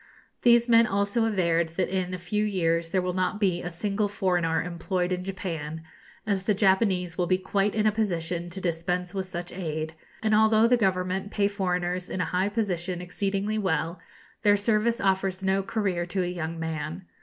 These men also averred that in a few years there will not be a single foreigner employed in Japan, as the Japanese will be quite in a position to dispense with such aid; and although the Government pay foreigners in a high position exceedingly well, their service offers no career to a young man.